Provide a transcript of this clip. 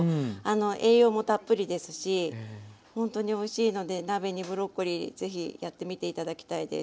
栄養もたっぷりですしほんとにおいしいので鍋にブロッコリーぜひやってみて頂きたいです。